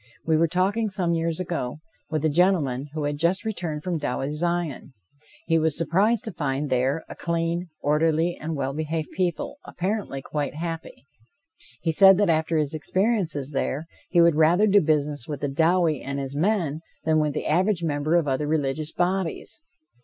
We were talking some years ago with a gentleman who had just returned from Dowie's Zion. He was surprised to find there a clean, orderly and well behaved people, apparently quite happy. He said that after his experiences there, he would rather do business with Dowie and his men than with the average member of other religious bodies.